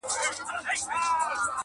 نن د سولي آوازې دي د جنګ بندي نغارې دي؛